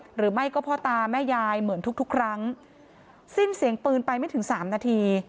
หรือไม่ก็พ่อตาแม่ยายเหมือนทุกทุกครั้งสิ้นเสียงปืนไปไม่ถึงสามนาที